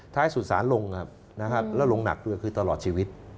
ท้ายสุดสารลงครับแล้วลงหนักด้วยคือตลอดชีวิต